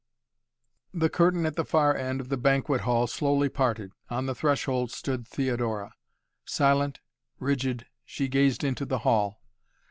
The curtain at the far end of the banquet hall slowly parted. On the threshold stood Theodora. Silent, rigid, she gazed into the hall.